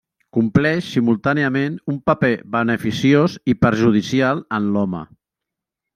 Compleix simultàniament un paper beneficiós i perjudicial en l'home.